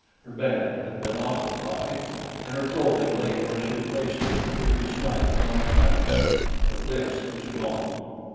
Her bed had been occupied, and her clothing lay where she had placed it the previous night upon retiring; but Lys was gone.